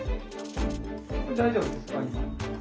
大丈夫ですかね？